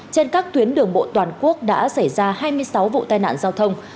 trên các tuyến đường bộ toàn quốc đã xảy ra hai mươi sáu vụ tai nạn giao thông